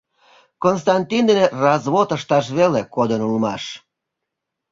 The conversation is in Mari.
Константин дене развод ышташ веле кодын улмаш.